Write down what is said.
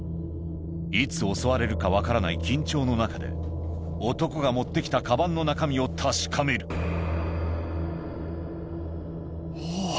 いつ襲われるか分からない緊張の中で男が持ってきたカバンの中身を確かめるおぉ